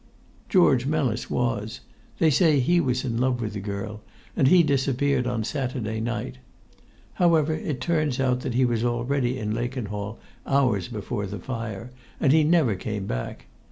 "George Mellis was. They say he was in love with the girl, and he disappeared on Saturday night. However, it turns out that he was already in Lakenhall hours before the fire, and he never came back.